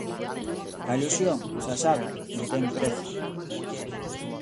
A ilusión, xa saben, non ten prezo.